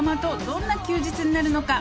「どんな休日になるのか」